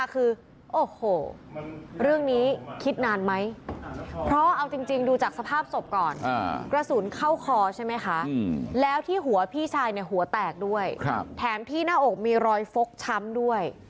คือโอ้โหเรื่องนี้คิดนานมั้ย